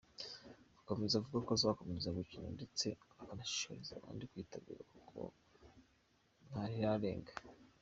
Akomeza avuga ko azakomeza gukina ndetse anashishikariza abandi kwitabira kuko ntarirarenga.